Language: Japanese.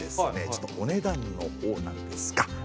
ちょっとお値段の方なんですが。